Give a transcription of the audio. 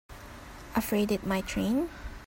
Afraid it might rain?